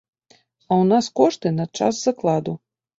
А ў нас кошты на час закладу.